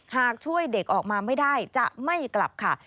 หากช่วยเด็กออกมาไม่ได้จะไม่กลับค่ะ